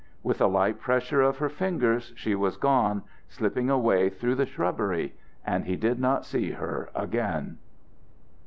With a light pressure of her fingers she was gone, slipping away through the shrubbery, and he did not see her again.